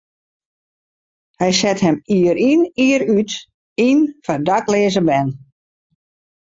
Hy set him jier yn jier út yn foar dakleaze bern.